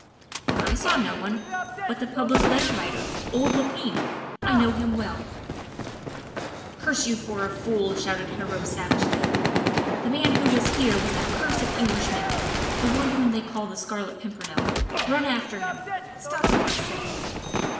"I saw no one but the Public Letter Writer, old Lepine I know him well " "Curse you for a fool!" shouted Heriot savagely, "the man who was here was that cursed Englishman the one whom they call the Scarlet Pimpernel. Run after him stop him, I say!"